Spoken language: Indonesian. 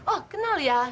oh kenal ya